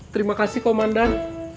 terima kasih komandan